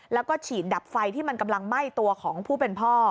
แล้วก็ฉีดดับไฟที่มันกำลังไหม้ตัวของผู้เป็นพ่อ